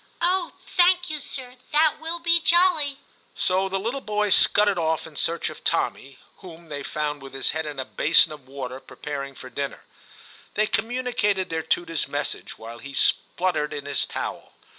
* Oh, thank you, sir ; that will be jolly !' So the little boys scudded off in search of Tommy, whom they found with his head in a basin of water, preparing for dinner. They communicated their tutor s message, while he sputtered in his towel.